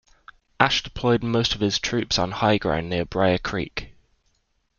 Ashe deployed most of his troops on high ground near Brier Creek.